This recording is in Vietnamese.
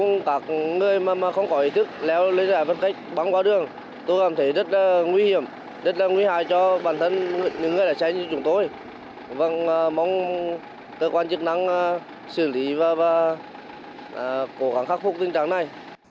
người mà không có ý thức léo lấy giải phân cách băng qua đường tôi cảm thấy rất nguy hiểm rất là nguy hại cho bản thân những người đã cháy như chúng tôi vâng mong cơ quan chức năng xử lý và cố gắng khắc phục tình trạng này